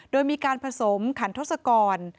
โดยมีการผสมขันทศกร